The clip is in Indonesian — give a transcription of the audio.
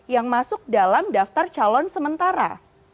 yang masuk dalam daftar calon sementara